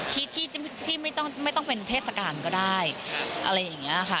ที่ไม่ต้องไม่ต้องเป็นเทศกาลก็ได้อะไรอย่างนี้ค่ะ